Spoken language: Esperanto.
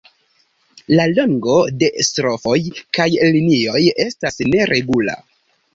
La longo de "strofoj" kaj linioj estas neregula.